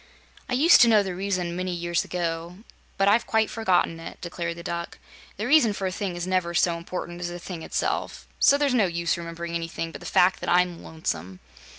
"I used to know the reason, many years ago, but I've quite forgotten it," declared the Duck. "The reason for a thing is never so important as the thing itself, so there's no use remembering anything but the fact that I'm lonesome."